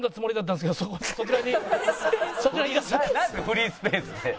フリースペースって。